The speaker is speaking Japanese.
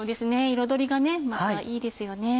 彩りがまたいいですよね。